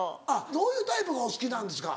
どういうタイプがお好きなんですか。